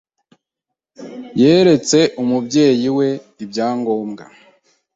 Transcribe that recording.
Yeretse umubyeyi we ibyangombwa